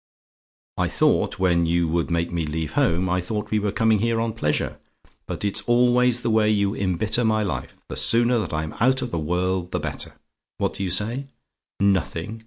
"I thought when you would make me leave home I thought we were coming here on pleasure: but it's always the way you embitter my life. The sooner that I'm out of the world the better. What do you say? "NOTHING?